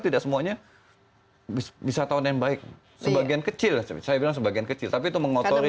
tidak semuanya bisa tahun yang baik sebagian kecil saya bilang sebagian kecil tapi itu mengotori